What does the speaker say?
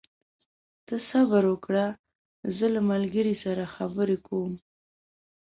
ته صبر وکړه، زه له ملګري سره خبرې کوم.